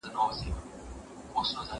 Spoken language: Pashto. سینه سپين د کتابتوننۍ له خوا کيږي